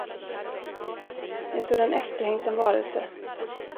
En sådan efterhängsen varelse!